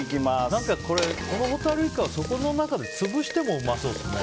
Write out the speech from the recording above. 何かこれホタルイカをそこの中でつぶしても、うまそうですね。